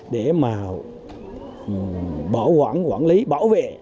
để mà bảo quản quản lý bảo vệ